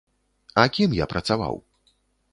А кім я працаваў?